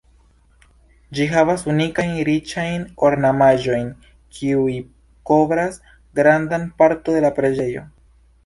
Ĝi havas unikajn riĉajn ornamaĵojn kiuj kovras grandan parton de la preĝejo.